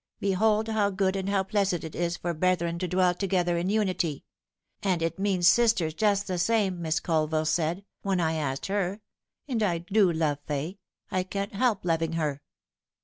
'Behold how good aud how pleasant it is for brethren to dwell together in unity !' And it means sisters just the same, Miss Colville said, when I asked her ; and I do love Fay. I can't help loving her."